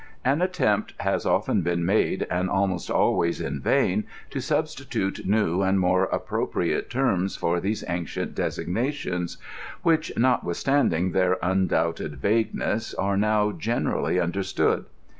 An attempt has often been made, and almost always in vain, to substitute new and more appropriate terms for these ancient designations, which, notwithstanding their undoubted vague ness, are now generally understood.